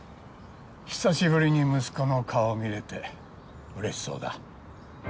久しぶりに息子の顔を見れてうれしそうだ。